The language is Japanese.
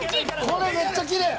これめっちゃきれい。